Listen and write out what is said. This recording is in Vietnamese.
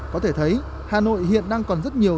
có thể thấy hà nội hiện đang còn rất nhiều